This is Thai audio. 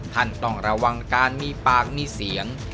ต้องระวังการมีปากมีเสียง